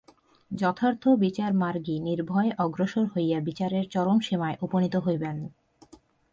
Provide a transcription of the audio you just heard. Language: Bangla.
যথার্থ বিচারমার্গী নির্ভয়ে অগ্রসর হইয়া বিচারের চরম সীমায় উপনীত হইবেন।